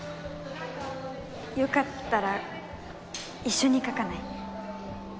よかったら一緒に描かない？